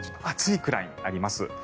暑いくらいになります。